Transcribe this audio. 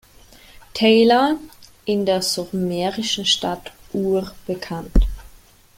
Taylor in der sumerischen Stadt Ur bekannt.